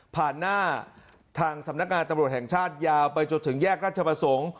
หน้าทางสำนักงานตำรวจแห่งชาติยาวไปจนถึงแยกราชประสงค์